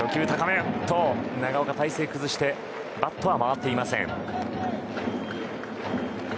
長岡、体勢を崩しましたがバットは回っていません。